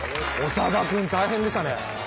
長田君大変でしたね。